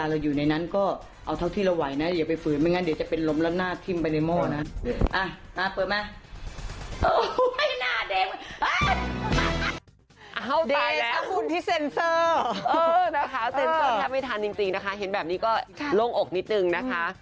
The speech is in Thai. เออนะคะเซ็นเซอร์ยังไม่ทันจริงนะคะเห็นแบบนี้ก็ลงอกนิดนึงนะคะ